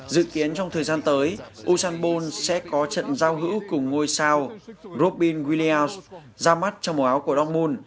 dự kiến trong thời gian tới usain bolt sẽ có trận giao hữu cùng ngôi sao robin williams ra mắt trong màu áo của don moon